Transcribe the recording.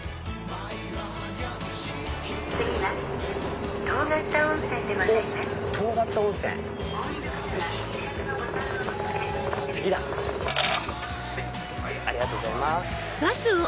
ありがとうございます。